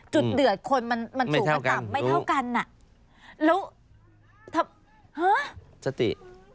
จุดเดือดคนมันถูกกันต่ำไม่เท่ากันน่ะแล้วถ้าฮื้อสติ